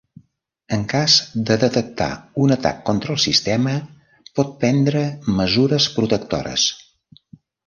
En cas de detectar un atac contra el sistema, pot prendre mesures protectores.